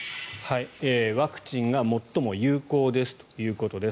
ワクチンが最も有効ですということです。